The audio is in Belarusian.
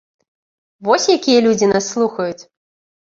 Вось якія людзі нас слухаюць!